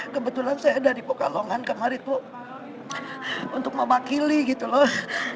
kebetulan saya dari pekalongan kemarin bu untuk mewakili gitu loh